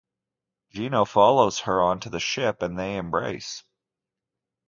Gino follows her onto the ship and they embrace.